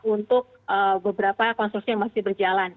untuk beberapa konstruksi yang masih berjalan